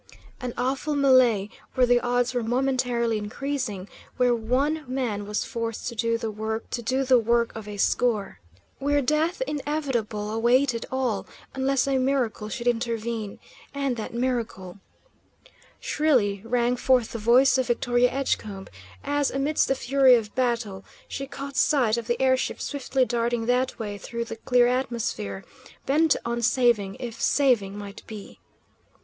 An awful melee, where the odds were momentarily increasing; where one man was forced to do the work of a score; where death inevitable awaited all, unless a miracle should intervene. And that miracle Shrilly rang forth the voice of Victoria Edgecombe as, amidst the fury of battle, she caught sight of the air ship swiftly darting that way through the clear atmosphere, bent on saving, if saving might be.